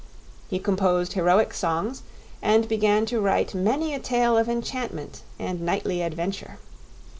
He composed heroic songs and began to write many a tale of enchantment and knightly adventure.